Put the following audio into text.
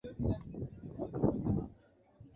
Iliyoangaziwa ilikuwa mpandaji wetu Fabiano akipiga risasi